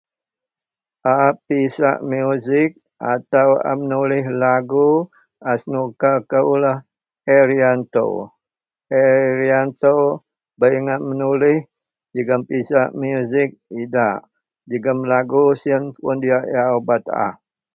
A pisak muzik atau a menulis lagu a senuka kou lah Harianto. Harianto bei ngak menulis jegam pisak muzik jegam lagu sien pun diak yau bak taah.